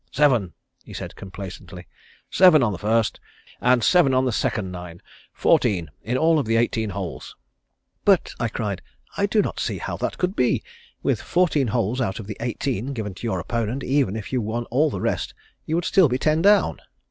"Seven," said he complacently. "Seven on the first, and seven on the second nine; fourteen in all of the eighteen holes." "But," I cried, "I do not see how that could be. With fourteen holes out of the eighteen given to your opponent even if you won all the rest you still would be ten down."